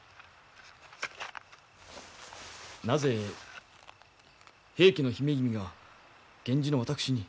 なぜ平家の姫君が源氏の私に？